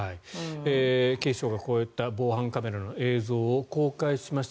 警視庁がこういった防犯カメラの映像を公開しました。